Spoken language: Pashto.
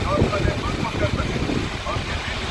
لمن له کاڼو ډکه وړي اسمان په باور نه دی ..